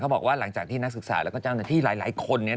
บอกว่าหลังจากที่นักศึกษาแล้วก็เจ้าหน้าที่หลายคน